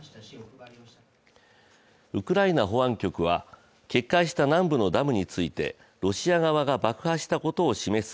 ウクライナ保安局は決壊した南部のダムについてロシア側が爆破したことを示す